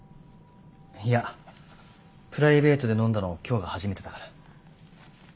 いやプライベートで飲んだの今日が初めてだから。